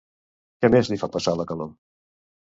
Què més li fa passar la calor?